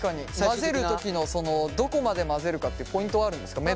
混ぜる時のどこまで混ぜるかってポイントはあるんですか？